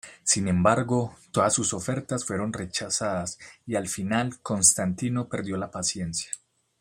Sin embargo, todas sus ofertas fueron rechazadas y al final Constantino perdió la paciencia.